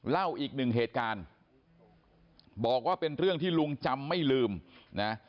เล่าอีกหนึ่งเหตุการณ์บอกว่าเป็นเรื่องที่ลุงจำไม่ลืมนะ